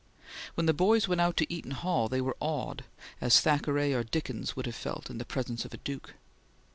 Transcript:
When the boys went out to Eaton Hall, they were awed, as Thackeray or Dickens would have felt in the presence of a Duke.